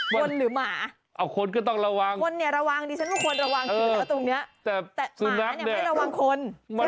คนหรือหมาเอาคนก็ต้องระวังคนเนี่ยระวังดิฉันไม่ควรระวังแต่หมาเนี่ยไม่ระวังคน